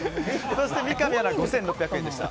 そして三上アナが５６００円でした。